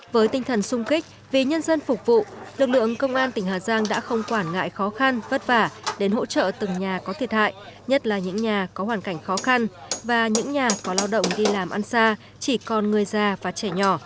với tinh thần sung kích vì nhân dân phục vụ lực lượng công an tỉnh hà giang đã không quản ngại khó khăn vất vả đến hỗ trợ từng nhà có thiệt hại nhất là những nhà có hoàn cảnh khó khăn và những nhà có lao động đi làm ăn xa chỉ còn người già và trẻ nhỏ